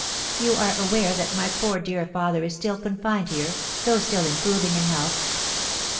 You are aware that my poor dear father is still confined here, though still improving in health."